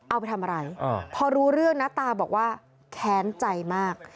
เอาไปทำอะไรพอรู้เรื่องนะตาบอกว่าแค้นใจมาก